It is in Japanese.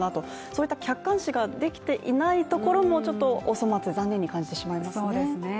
そういった客観視ができていないところもちょっとお粗末、残念に感じてしまいますね。